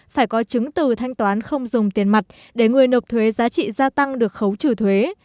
phải có chứng từ thanh toán không dùng tiền mặt để người nộp thuế giá trị gia tăng được khấu trừ thuế